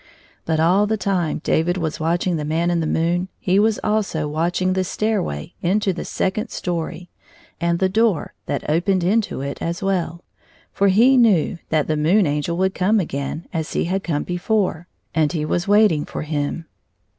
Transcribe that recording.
But all the time David was watching the Man in the moon he was also watching the stairway into the second story and the door that opened into it as well; for he knew that the Moon Angel would come again as he had come before, and he was waiting for him.